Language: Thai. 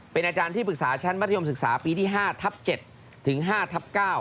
เป็นอาจารย์ที่ปรึกษาชั้นมัธยมศึกษาปีที่๕ทับ๗ถึง๕ทับ๙